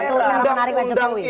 betul betul cara menarik aja tuhi